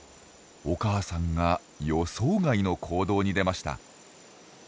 お母さんが予想外の行動に出ました。